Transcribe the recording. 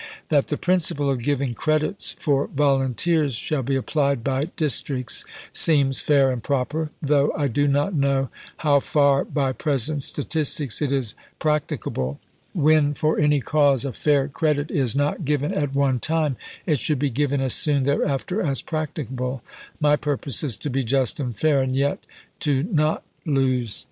That the principle of giving credits for volunteers shall be applied by districts seems fair and proper, though I do not know how far by present statistics it is practi cable. When for any cause a fair credit is not given at one time, it should be given as soon thereafter as practi cable. My purpose is to be just and fair, and yet to not lose time.